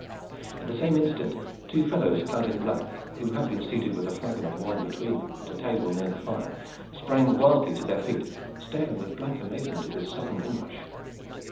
At the same instant two fellows clad in black, who had been seated with a flagon of wine between them at a table near the fire, sprang wildly to their feet, staring with blank amazement at this sudden inrush.